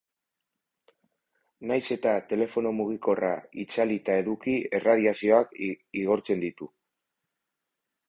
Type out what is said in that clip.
Nahiz eta, telefono mugikorra itzalita eduki erradiazioak igortzen ditu.